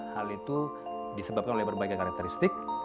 hal itu disebabkan oleh berbagai karakteristik